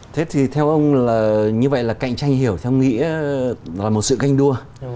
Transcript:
thế thì theo ông là như vậy là cạnh tranh hiểu theo ông nghĩ là một sự ganh đua